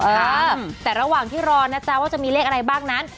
เออแต่ระหว่างที่รอนะจ๊ะว่าจะมีเลขอะไรบ้างนั้น